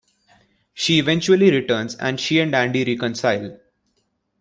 She eventually returns and she and Andy reconcile.